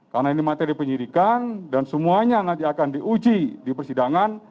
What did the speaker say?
karena ini materi penyirikan dan semuanya nanti akan diuji di persidangan